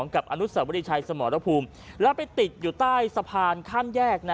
กับอนุสาวรีชัยสมรภูมิแล้วไปติดอยู่ใต้สะพานข้ามแยก